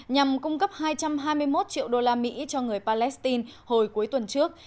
nhằm cung cấp hai trăm hai mươi một triệu đô la mỹ cho người palestine hồi cuối tuần trước